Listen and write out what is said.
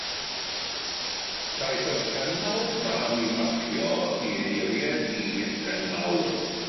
Caiff y pennawd ffrâm ei bacio i eiriau-d pen mawr.